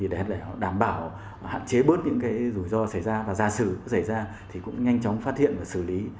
để đảm bảo hạn chế bớt những rủi ro xảy ra và gia xử xảy ra thì cũng nhanh chóng phát hiện và xử lý